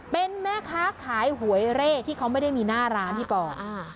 เป็นแม่ค้าขายหวยเร่ที่เขาไม่ได้มีหน้าร้านพี่ปอ